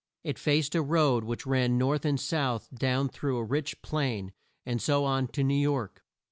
It faced a road which ran north and south down through a rich plain, and so on to New York.